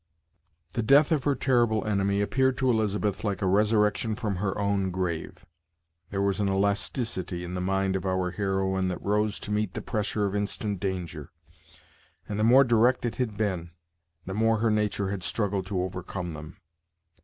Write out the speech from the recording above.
The death of her terrible enemy appeared to Elizabeth like a resurrection from her own grave. There was an elasticity in the mind of our heroine that rose to meet the pressure of instant danger, and the more direct it had been, the more her nature had struggled to overcome them.